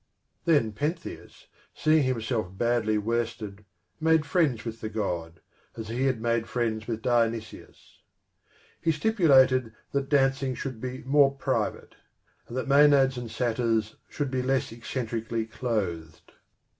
Then Pentheus, seeing himself badly worsted, made friends with the God, as he had made friends with PENTHEUS 43 Dionysus. He stipulated that the dancing should be more private, and that the Maenads and Satyrs should be less eccentrically clothed.